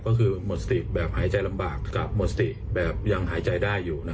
ก็คือหมดสติแบบหายใจลำบากกับหมดสติแบบยังหายใจได้อยู่